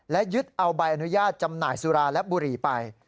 และยึดเอาใบอนุญาตจำหน่ายสุราและบุหรี่ไป